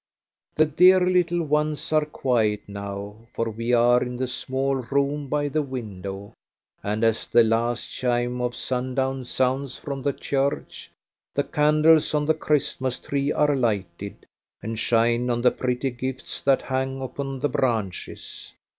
The dear little ones are quiet now, for we are in the small room by the window, and as the last chime of sundown sounds from the church, the candles on the Christmas tree are lighted, and shine on the pretty gifts that hang upon the branches.